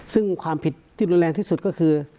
ซึ่งความผิดที่รุนแรงที่สุดก็คือ